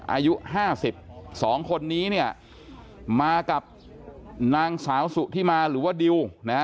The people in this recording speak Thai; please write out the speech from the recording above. อายุห้าสิบสองคนนี้เนี้ยมากับนางสาวสุที่มาหรือว่าดิวนะ